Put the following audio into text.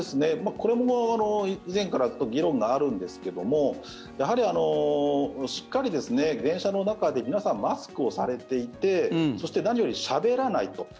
これも以前から議論があるんですけどもやはりしっかり電車の中で皆さん、マスクをされていてそして何よりしゃべらないと。